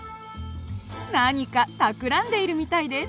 何かたくらんでいるみたいです。